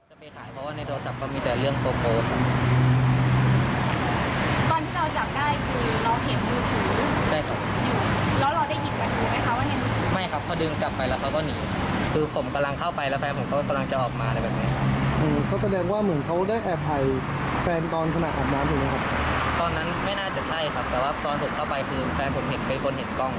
ตอนนั้นไม่น่าจะใช่ครับแต่ว่าตอนถูกเข้าไปคือแฟนผมเห็นเป็นคนเห็นกล้อง